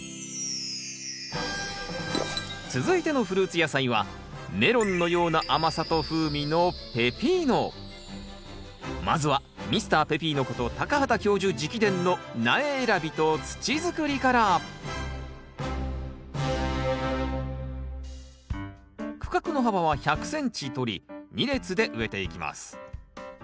続いてのフルーツ野菜はメロンのような甘さと風味のまずはミスターペピーノこと畑教授直伝の苗選びと土づくりから区画の幅は１００ｃｍとり２列で植えていきます。